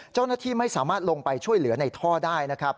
เจ้าหน้าที่ไม่สามารถลงไปช่วยเหลือในท่อได้นะครับ